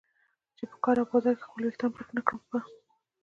چې په کار او بازار کې خپل ویښتان پټ نه کړم. په